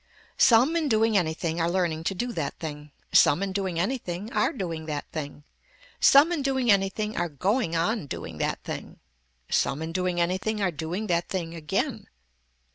Some in doing anything are learning to do that thing, Some in doing anything are doing that thing. Some in doing anything are going on doing that thing. Some in doing anything are doing that thing again.